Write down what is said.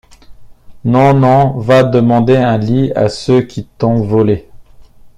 Non, non! va demander un lit à ceux qui t’ont volé.